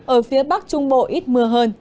ở phía bắc trung bộ ít mưa hơn